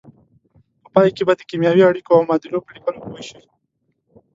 په پای کې به د کیمیاوي اړیکو او معادلو په لیکلو پوه شئ.